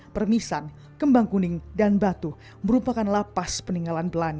permisan kembang kuning dan batu merupakan lapas peninggalan belanda